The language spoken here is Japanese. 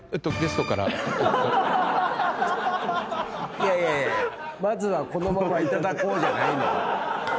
いやいやいや「まずはこのままいただこう」じゃない。